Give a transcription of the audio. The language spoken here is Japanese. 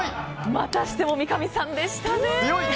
またしても三上さんでしたね。